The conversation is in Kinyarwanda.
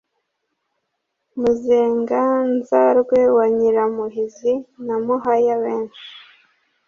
muzenga-nzarwe wa nyiramuhizi na muhaya-benshi,